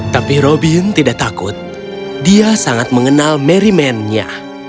tapi robin tidak takut dia sangat mengenal merry mennya